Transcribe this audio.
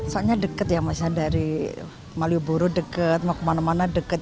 soalnya dekat ya dari malioburu dekat kemana mana dekat